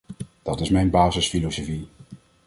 Dat is mijn basisfilosofie.